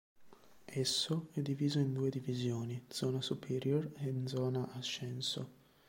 Esso è diviso in due divisioni: Zona Superior and Zona Ascenso.